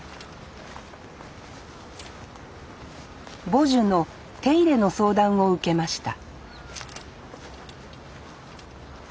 母樹の手入れの相談を受けました